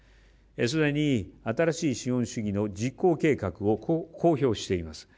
すでに新しい資本主義の実行計画を公表しています。